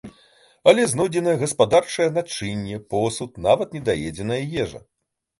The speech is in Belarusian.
Але знойдзеная гаспадарчае начынне, посуд, нават недаедзеная ежа.